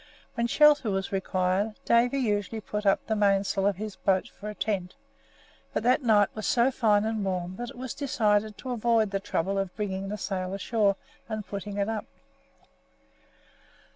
When shelter was required, Davy usually put up the mainsail of his boat for a tent; but that night was so fine and warm that it was decided to avoid the trouble of bringing the sail ashore and putting it up.